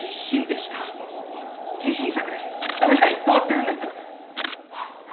代々伝わってるんです！